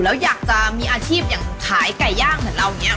แล้วอยากจะมีอาชีพอย่างขายไก่ย่างแหล่วเนี่ย